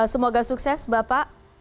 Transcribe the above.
semoga sukses bapak